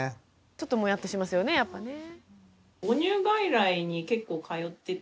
ちょっともやっとしますよねやっぱね。